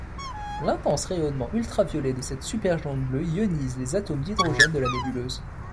L'intense rayonnement ultraviolet de cette supergéante bleue ionise les atomes d'hydrogène de la nébuleuse.